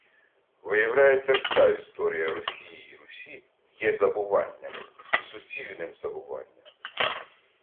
Виявляється, вся історія Росії й Русі є забуванням! Суцільним забуванням